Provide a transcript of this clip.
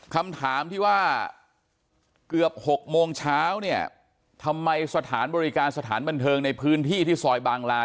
คำถามที่ว่าเกือบ๖โมงเช้าเนี่ยทำไมสถานบริการสถานบันเทิงในพื้นที่ที่ซอยบางลา